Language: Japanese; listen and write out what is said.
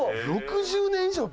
６０年以上！